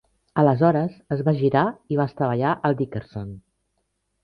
Aleshores, es va girar i va estavellar el "Dickerson".